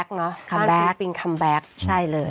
คัมแบ็คเป็นคัมแบ็คใช่เลย